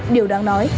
điều đáng nói